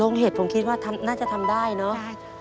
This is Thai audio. เหตุผมคิดว่าน่าจะทำได้เนอะ